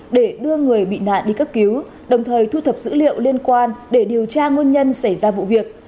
để đưa người bị nạn đi cấp cứu đồng thời thu thập dữ liệu liên quan để điều tra nguyên nhân xảy ra vụ việc